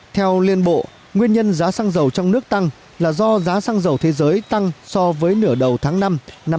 theo liên bộ nguyên nhân giá xăng dầu trong nước tăng là do giá xăng dầu thế giới tăng so với nửa đầu tháng năm năm hai nghìn hai mươi ba